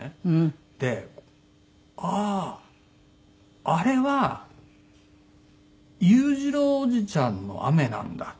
であああれは裕次郎叔父ちゃんの雨なんだ。